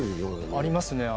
ありますね。